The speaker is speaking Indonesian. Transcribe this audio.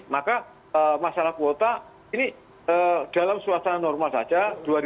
maka masalah kuota ini dalam suasana normal saja